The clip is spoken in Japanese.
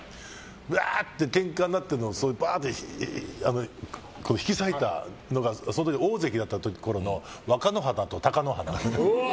うわーってケンカになっても引き裂いたのがその時、大関だったころの若乃花と貴乃花。